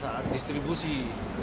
nanti pada saat distribusi ke ppk dan dps